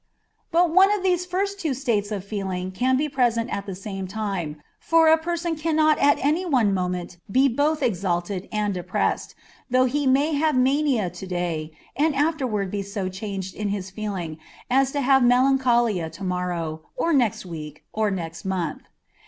But one of these first two states of feeling can be present at the same time, for a person cannot at any one moment be both exalted and depressed, though he have mania to day, and afterward be so changed in his feeling as to have melancholia to morrow, or next week, or next month.